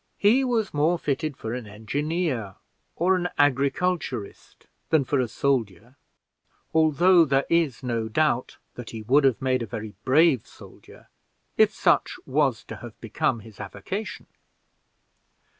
He was more fitted for an engineer or an agriculturist than for a soldier, although there is no doubt that he would have made a very brave soldier, if such was to have become his avocation.